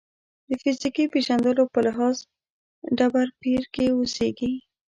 د فیزیکي پېژندلو په لحاظ ډبرپېر کې اوسېږي.